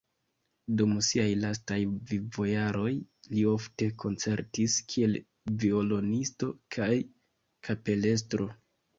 Dum siaj lastaj vivojaroj li ofte koncertis kiel violonisto kaj kapelestro.